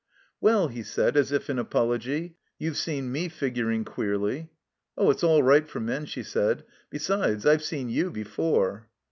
"Well," he said, as if in apology, "you've seen me figuring queerly." "Oh, it's all right for men," she said. "Besides, I've seen you before."